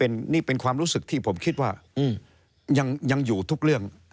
นี่เป็นความรู้สึกที่ผมคิดว่ายังอยู่ทุกเรื่อง